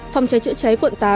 phòng cháy chữa cháy quận tám